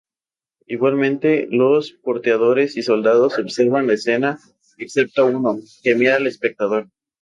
Igualmente los porteadores y soldados observan la escena, excepto uno, que mira al espectador.